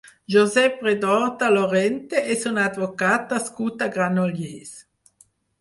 Josep Redorta Lorente és un advocat nascut a Granollers.